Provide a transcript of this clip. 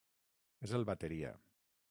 És el bateria.